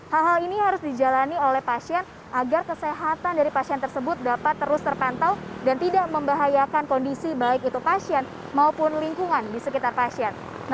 hal hal ini harus dijalani oleh pasien agar kesehatan dari pasien tersebut dapat terus terpantau dan tidak membahayakan kondisi baik itu pasien maupun lingkungan di sekitar pasien